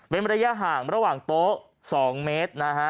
เป็นระยะห่างระหว่างโต๊ะ๒เมตรนะฮะ